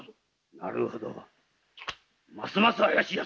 なるほどますます怪しいやつ。